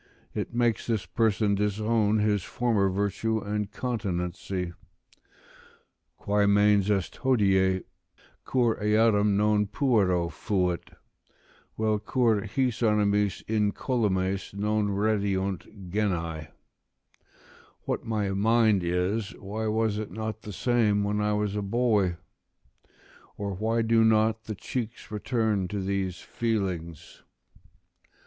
It makes this person disown his former virtue and continency: "Quae mens est hodie, cur eadem non puero fait? Vel cur his animis incolumes non redeunt genae?" ["What my mind is, why was it not the same, when I was a boy? or why do not the cheeks return to these feelings?"